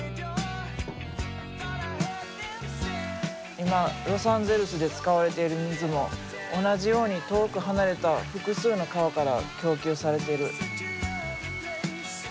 今ロサンゼルスで使われている水も同じように遠く離れた複数の川から供給されている。